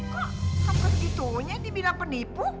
kok ngomong gitu aja di bidang penipu